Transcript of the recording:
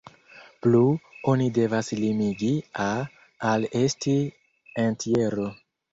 Plu, oni devas limigi "a" al esti entjero.